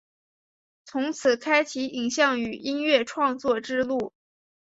从此开启影像与音乐创作之路。